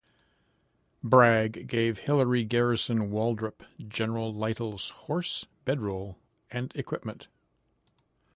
Bragg gave Hillary Garrison Waldrep General Lytle's horse, bed-roll and equipment.